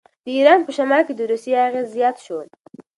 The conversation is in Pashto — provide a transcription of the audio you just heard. د ایران په شمال کې د روسیې اغېز زیات شو.